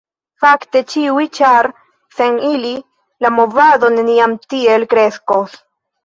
Fakte, ĉiuj, ĉar sen ili, la movado neniam tiel kreskos.